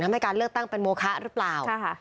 ทำให้การเลือกตั้งเป็นโมคะหรือเปล่าค่ะค่ะ